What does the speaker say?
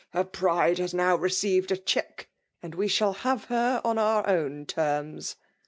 Her pride has now received a check ; and we shall have her on our own terms.